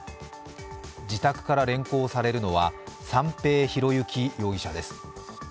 自宅から連行されるのは三平博幸容疑者です。